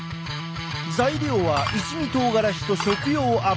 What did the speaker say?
材料は一味とうがらしと食用油。